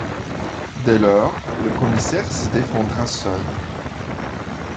Dès lors, le commissaire se défendra seul.